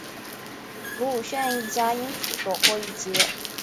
卢武铉一家因此躲过一劫。